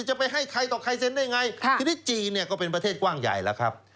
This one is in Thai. จะไปให้ใครต่อใครเซ็นได้ไงทีนี้จีนเนี่ยก็เป็นประเทศกว้างใหญ่แล้วครับ